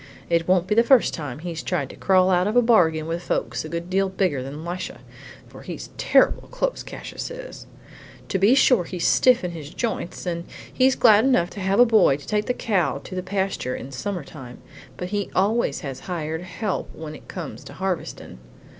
It won't be the first time he's tried to crawl out of a bargain with folks a good deal bigger than Lisha, for he's terrible close, Cassius is. To be sure he's stiff in his joints and he's glad enough to have a boy to take the cow to the pasture in summer time, but he always has hired help when it comes harvestin'.